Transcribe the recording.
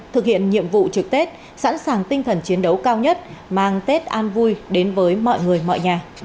thực hiện nhiệm vụ trực tết sẵn sàng tinh thần chiến đấu cao nhất mang tết an vui đến với mọi người mọi nhà